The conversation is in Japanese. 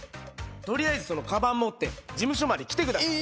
取りあえずそのカバン持って事務所まで来てください。